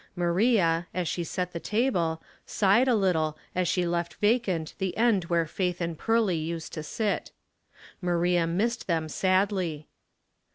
Maria, as she set the table, sighed a little as she left vacant the end where Faith and Pearly used to sit. Maria missed them sadly.